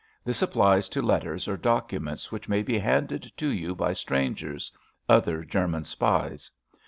This applies to letters or documents which may be handed to you by strangers—other German spies.